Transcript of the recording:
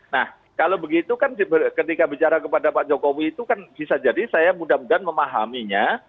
nah kalau begitu kan ketika bicara kepada pak jokowi itu kan bisa jadi saya mudah mudahan memahaminya